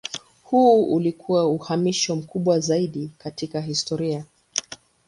Huu ulikuwa uhamisho mkubwa zaidi katika historia.